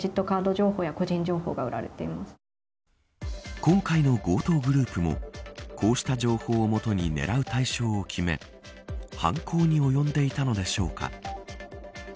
今回の強盗グループもこうした情報を基に狙う対象を決め犯行に及んでいたのでしょうか。